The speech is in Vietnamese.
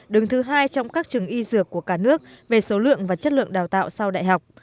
đứng thứ hai trong các trường y dược của cả nước về số lượng và chất lượng đào tạo sau đại học